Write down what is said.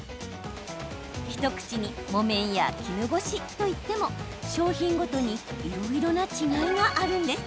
ひとくちに木綿や絹ごしと言っても商品ごとにいろいろな違いがあるんです。